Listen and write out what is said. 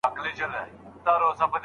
د خلاصون او قيد پورته کولو معنی څه ده؟